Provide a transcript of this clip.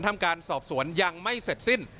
ทำการสอบสวนยังไม่เสร็จสิ้น